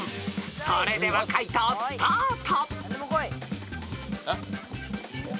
［それでは解答スタート］